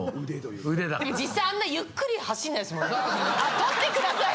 「撮ってください」